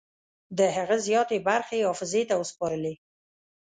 د هغه زیاتې برخې یې حافظې ته وسپارلې.